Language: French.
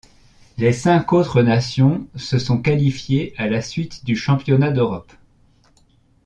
Les cinq autres nations se sont qualifiées à la suite du championnat d'Europe.